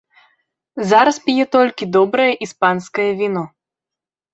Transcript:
Зараз п'е толькі добрае іспанскае віно.